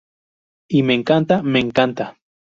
Y, me encanta, me encanta.